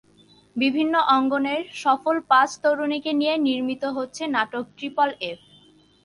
বিভিন্ন অঙ্গনের সফল পাঁচ তরুণীকে নিয়ে নির্মিত হচ্ছে নাটক ট্রিপল এফ।